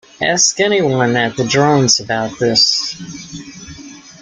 Ask anyone at the Drones about this.